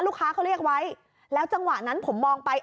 ลูกค้าเขาเรียกไว้แล้วจังหวะนั้นผมมองไป